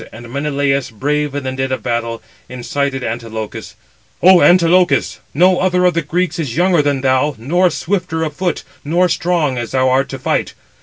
And Menelaus, brave in the din of battle, incited Antilochus: "O Antilochus, no other of the Greeks is younger than thou, nor swifter of foot, nor strong, as thou [art], to fight.